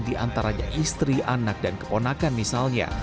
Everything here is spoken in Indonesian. di antaranya istri anak dan keponakan misalnya